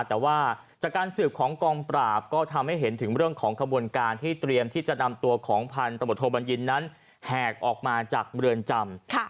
แต่ว่าจากการสืบของกองปราบก็ทำให้เห็นถึงเรื่องของขบวนการที่เตรียมที่จะนำตัวของพันธบทโทบัญญินนั้นแหกออกมาจากเรือนจำ